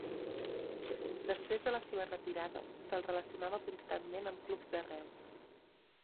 Després de la seva retirada se'l relacionava constantment amb clubs d'arreu.